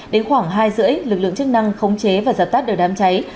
đến khoảng hai giờ rưỡi lực lượng chức năng khống chế và dập tắt đều đám cháy